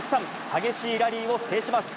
激しいラリーを制します。